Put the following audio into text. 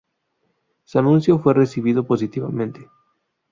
Su anuncio fue recibido positivamente.